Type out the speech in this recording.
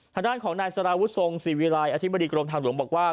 ทางด้านของนายสารวุฒิทรงศรีวิลัยอธิบดีกรมทางหลวงบอกว่า